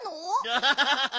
ハハハハハ。